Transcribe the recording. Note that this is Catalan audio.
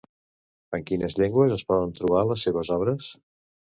En quines llengües es poden trobar les seves obres?